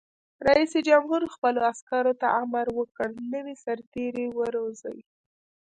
رئیس جمهور خپلو عسکرو ته امر وکړ؛ نوي سرتېري وروزیئ!